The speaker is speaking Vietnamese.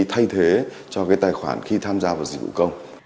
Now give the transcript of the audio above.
thay thế cho tài khoản khi tham gia vào dịch vụ công